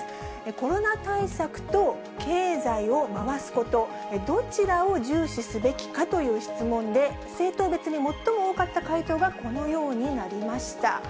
コロナ対策と経済を回すこと、どちらを重視すべきかという質問で、政党別に最も多かった回答がこのようになりました。